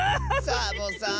サボさん！